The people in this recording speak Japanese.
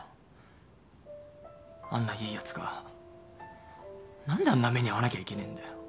あんないいやつが何であんな目に遭わなきゃいけねえんだよ。